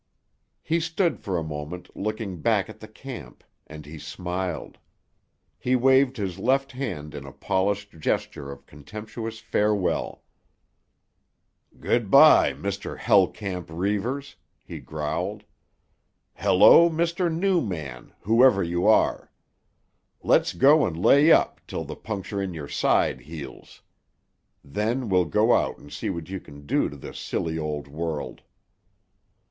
He stood for a moment, looking back at the camp, and he smiled. He waved his left hand in a polished gesture of contemptuous farewell. "Good by, Mr. Hell Camp Reivers," he growled. "Hello, Mr. New Man, whoever you are. Let's go and lay up till the puncture in your hide heals. Then we'll go out and see what you can do to this silly old world."